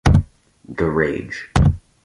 The Rage